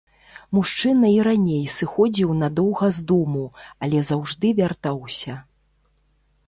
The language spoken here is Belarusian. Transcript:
Мужчына і раней сыходзіў надоўга з дому, але заўжды вяртаўся.